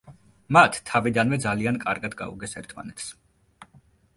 მათ თავიდანვე ძალიან კარგად გაუგეს ერთმანეთს.